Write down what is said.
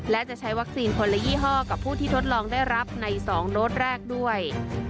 และจะใช้วัคซีนคนละยี่ห้อกับผู้ที่ทดลองได้รับใน๒โดสแรกด้วย